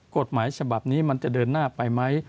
กฎหมายฉบับนี้มันจะเดินหน้าไปไหม